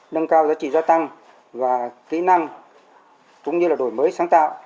nâng cao giá trị gia tăng và kỹ năng cũng như là đổi mới sáng tạo